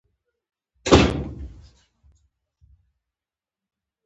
هغه یو جادویي منتر ووایه.